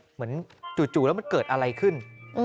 เหมือนจู่แล้วเกิดอะไรขึ้น